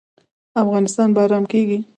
افغانستان به ارام کیږي